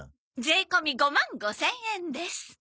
税込５万５０００円です。